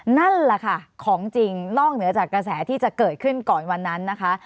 นั่นแหละค่ะของจริงนอกเหนือจากกระแสที่จะเกิดขึ้นก่อนวันนั้นนะคะ